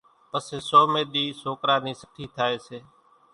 پسيَ سوميَ ۮِي سوڪرا نِي سٺِي ٿائيَ سي۔